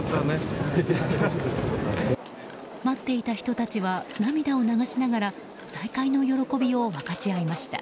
待っていた人たちは涙を流しながら再会の喜びを分かち合いました。